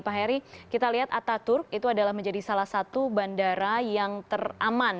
pak heri kita lihat ataturk itu adalah menjadi salah satu bandara yang teraman